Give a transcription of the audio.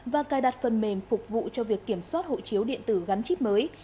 và cài đặt phần mềm phục vụ cho việc kiểm soát hộ chiếu điện tử gắn chip mới